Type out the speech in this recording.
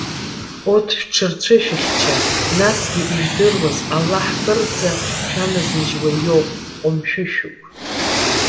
Урҭ шәҽырцәышәыхьча, насгьы ижәдыруаз, Аллаҳ кырӡа шәаназыжьуа иоуп, дҟәымшәышәуп.